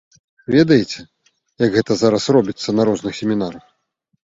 Ведаеце, як гэта зараз робіцца на розных семінарах.